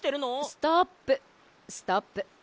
ストップストップ。